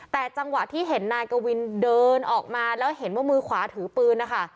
แต่จังหวะที่เห็นนายกวินเดินออกมาแล้วเห็นว่ามือขวาถือปืนนะคะ